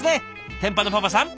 天パのパパさん